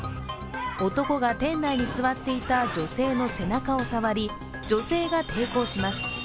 男が店内に座っていた女性の背中を触り、女性が抵抗します。